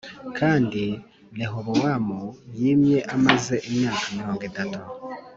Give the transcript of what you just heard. Kandi Rehobowamu yimye amaze imyaka mirongo itatu